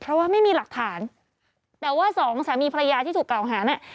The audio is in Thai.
เพราะว่าไม่มีหลักฐานแต่ว่าสองสามีภรรยาที่ถูกกล่าวหาน่ะ